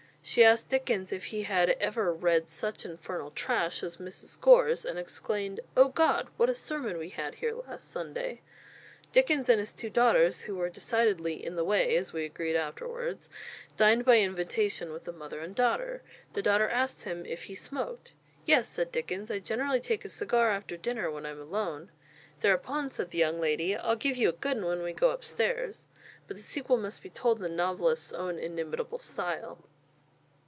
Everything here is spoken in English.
She asked Dickens if he had ever "read such infernal trash" as Mrs. Gore's; and exclaimed "Oh God! what a sermon we had here, last Sunday." Dickens and his two daughters "who were decidedly in the way, as we agreed afterwards" dined by invitation with the mother and daughter. The daughter asked him if he smoked. "Yes," said Dickens, "I generally take a cigar after dinner when I'm alone." Thereupon said the young lady, "I'll give you a good 'un when we go upstairs." But the sequel must be told in the novelist's own inimitable style.